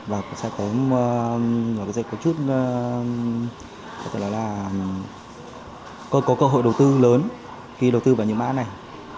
và sẽ có một chút cơ hội đầu tư lớn khi đầu tư vào những mã này